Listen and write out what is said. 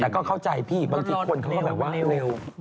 แต่ก็เข้าใจพี่บางทีคนเขาก็แบบว่าเร็ว